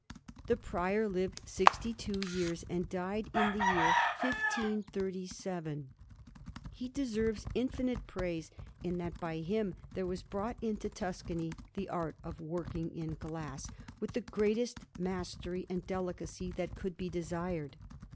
The Prior lived sixty two years, and died in the year 1537. He deserves infinite praise, in that by him there was brought into Tuscany the art of working in glass with the greatest mastery and delicacy that could be desired.